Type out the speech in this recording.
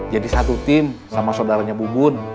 jadi satu tim sama sodaranya bubun